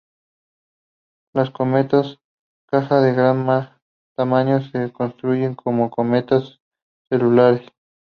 Las cometas caja de gran tamaño se construyen como cometas celulares.